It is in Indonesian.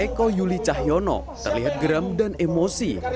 eko yuli cahyono terlihat geram dan emosi